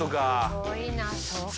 すごいなそうか。